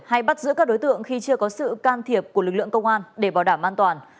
hay bắt giữ các đối tượng khi chưa có sự can thiệp của lực lượng công an để bảo đảm an toàn